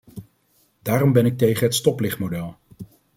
Daarom ben ik tegen het stoplichtmodel.